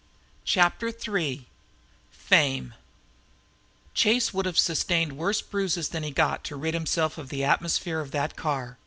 CHAPTER III FAME Chase would have sustained worse bruises than he got to rid himself of the atmosphere of that car.